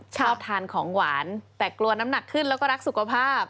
ชอบทานของหวานแต่กลัวน้ำหนักขึ้นแล้วก็รักสุขภาพ